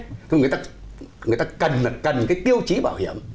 thì người ta cần là cần cái tiêu chí bảo hiểm